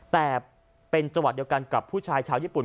แต่เป็นจังหวะเดียวกันกับผู้ชายชาวญี่ปุ่น